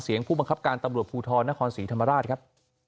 ผู้บังคับการตำรวจภูทรนครศรีธรรมราชครับ